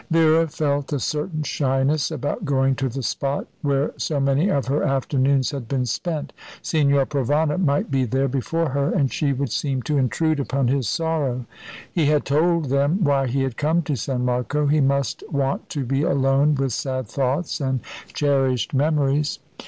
Vera felt a certain shyness about going to the spot where so many of her afternoons had been spent. Signor Provana might be there before her, and she would seem to intrude upon his sorrow. He had told them why he had come to San Marco. He must want to be alone with sad thoughts and cherished memories.